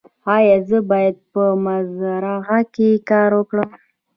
ایا زه باید په مزرعه کې کار وکړم؟